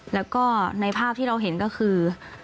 แล้วก็ในภาพที่เราเห็นก็คือ